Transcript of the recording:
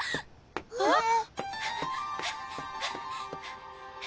えっ⁉